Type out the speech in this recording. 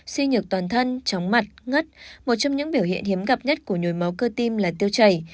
suy nhược toàn thân chóng mặt ngất một trong những biểu hiện hiếm gặp nhất của nhồi máu cơ tim là tiêu chảy